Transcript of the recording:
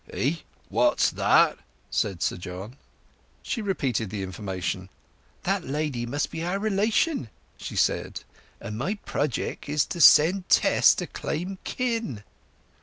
"Hey—what's that?" said Sir John. She repeated the information. "That lady must be our relation," she said. "And my projick is to send Tess to claim kin."